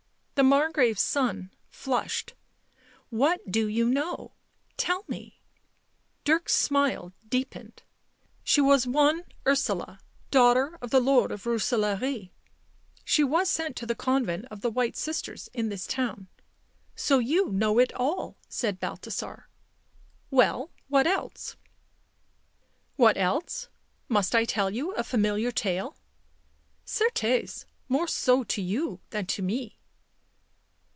The Margrave's son flushed. " What you do know ?— tell me." Dirk's smile deepened. " She was one Ursula, daugh ter of the Lord Rooselaare, she was sent to the convent of the White Sisters in this town." " So you know it all," said Balthasar. " Well, what else?" " What else? I must tell you a familiar tale." u Certes, more so to you than to me."